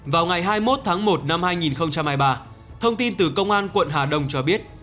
vào ngày hai mươi một tháng một năm hai nghìn hai mươi ba thông tin từ công an quận hà đông cho biết